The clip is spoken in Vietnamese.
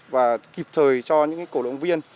và kịp thời cho những cái cổ động viên